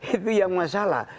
itu yang masalah